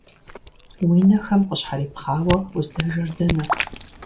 Уи нэхэм къыщхьэрипхъуауэ, уздэжэр дэнэ?